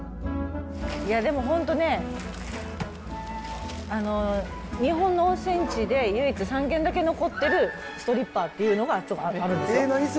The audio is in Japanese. でも本当ね、日本の温泉地で唯一３軒だけ残ってる、ストリッパーというのがあれですよ。